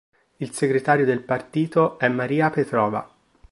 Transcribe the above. Il segretario del partito è Maria Petrova.